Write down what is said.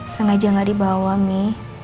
sengaja gak dibawa mi